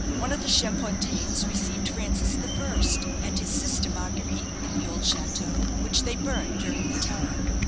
One of the Champfontaines received Francis I. and his sister Marguerite in the old chateau which they burnt during the Terror.